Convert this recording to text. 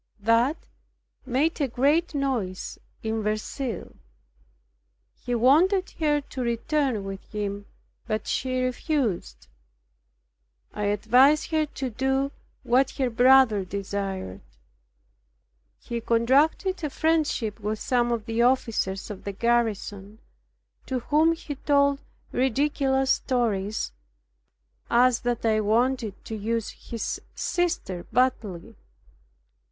That made a great noise in Verceil. He wanted her to return with him, but she refused. I advised her to do what her brother desired. He contracted a friendship with some of the officers of the garrison, to whom he told ridiculous stories, as that I wanted to use his sister badly.